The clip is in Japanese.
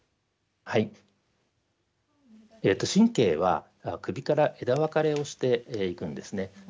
神経は首から枝分かれをしていくんですね。